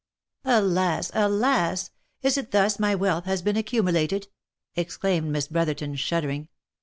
" Alas ! alas ! is it thus my wealth has been accumulated V 9 ex claimed Miss Brotherton, shuddering.